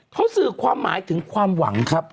เขาสื่อความหมายถึงความหวังครับ